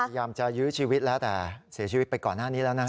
พยายามจะยื้อชีวิตแล้วแต่เสียชีวิตไปก่อนหน้านี้แล้วนะ